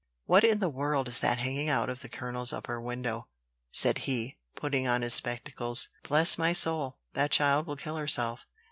"What in the world is that hanging out of the colonel's upper window?" said he, putting on his spectacles. "Bless my soul! that child will kill herself.